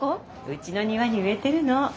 うちの庭に植えてるの。